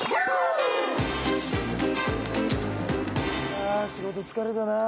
あ仕事疲れたなぁ。